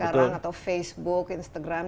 atau facebook instagram